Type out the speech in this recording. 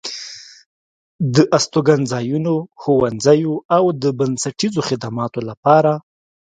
د استوګنځايو، ښوونځيو او د بنسټيزو خدماتو لپاره